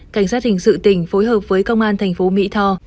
cảnh sát hình sự tỉnh phối hợp với công an thành phố mỹ tho